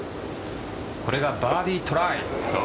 これがバーディートライ。